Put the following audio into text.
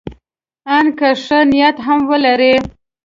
ان که ښه نیت هم ولري.